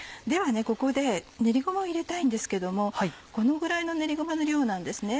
ではここで練りごまを入れたいんですけどもこのぐらいの練りごまの量なんです。